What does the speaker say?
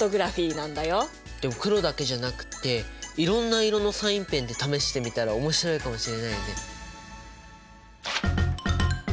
でも黒だけじゃなくっていろんな色のサインペンで試してみたら面白いかもしれないよね。